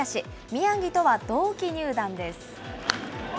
宮城とは同期入団です。